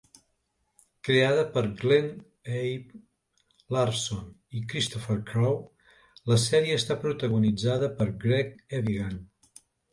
Creada per Glen A. Larson i Christopher Crowe, la sèrie està protagonitzada per Greg Evigan.